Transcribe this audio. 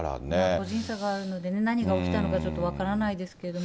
個人差があるのでね、何が起きたのかちょっと分からないですけども。